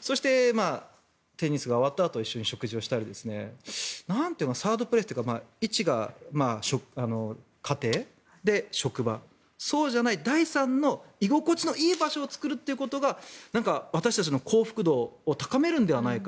そして、テニスが終わったあと一緒に食事をしたりサードプレースというか１が家庭で職場そうじゃない、第三の居心地のいい場所を作るっていうのが私たちの幸福度を高めるのではないか。